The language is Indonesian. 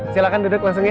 silahkan duduk langsung ya